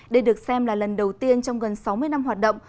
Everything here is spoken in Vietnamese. đây được xem là lần đầu tiên trong gần sáu mươi năm hoạt động